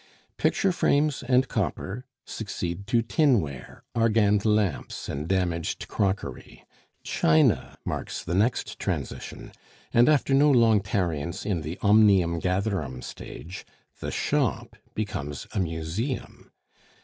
Picture frames and copper succeed to tin ware, argand lamps, and damaged crockery; china marks the next transition; and after no long tarriance in the "omnium gatherum" stage, the shop becomes a museum.